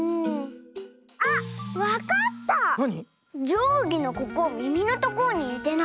じょうぎのここみみのところににてない？